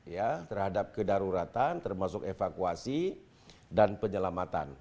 ya terhadap kedaruratan termasuk evakuasi dan penyelamatan